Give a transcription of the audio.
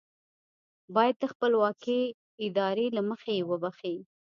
بايد د خپلواکې ارادې له مخې يې وبښي.